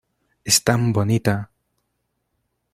¡ es tan bonita!